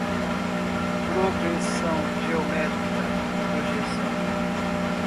progressão geométrica, projeção